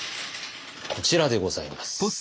こちらでございます。